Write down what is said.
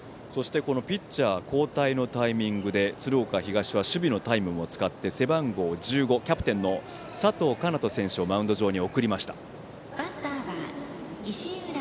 ピッチャー交代のタイミングで鶴岡東は守備のタイムも使って背番号１５、キャプテンの佐藤叶人選手をマウンド上に送りました。